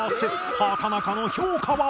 畠中の評価は？